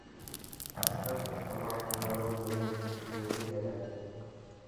د زده کړو، سپما او پانګونې انګېزې پېدا کوي.